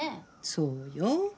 そうよ。